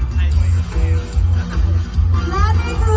มันเป็นเมื่อไหร่แล้ว